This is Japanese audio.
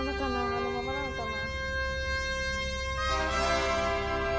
あのままなのかな